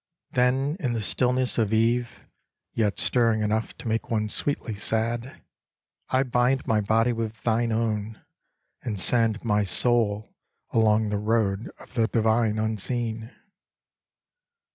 Then in the stillness of eve (yet stirring Enough to make one sweetly sad), I Bind my body with thine own, and send My soul along the road of the Divine Unseen.